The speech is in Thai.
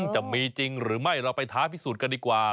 จะมีจริงหรือไม่เราไปท้าพิสูจน์กันดีกว่า